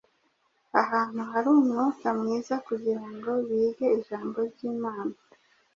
ahantu hari umwuka mwiza kugira ngo bige ijambo ry’Imana